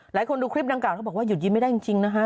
ดูคลิปดังกล่าเขาบอกว่าหยุดยิ้มไม่ได้จริงนะฮะ